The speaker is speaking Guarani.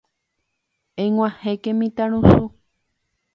Eg̃uahẽke mitãrusu.